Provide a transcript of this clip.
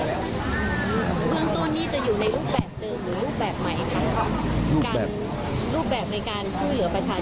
เรื่องต้นนี้จะอยู่ในรูปแบบเดิมหรือรูปแบบใหม่